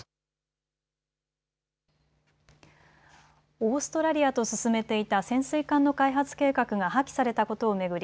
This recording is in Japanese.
オーストラリアと進めていた潜水艦の開発計画が破棄されたことを巡り